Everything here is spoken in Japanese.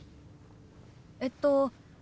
えっと。